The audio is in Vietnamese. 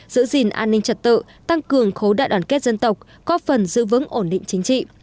giữ gìn an ninh trật tự tăng cường khối đại đoàn kết dân tộc có phần giữ vững ổn định chính trị